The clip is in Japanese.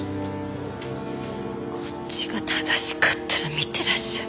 こっちが正しかったら見てらっしゃい。